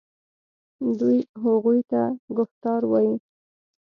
دوی هغوی ته کفتار وايي.